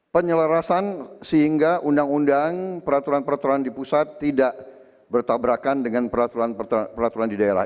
penyelarasan sehingga undang undang peraturan peraturan di pusat tidak bertabrakan dengan peraturan peraturan di daerah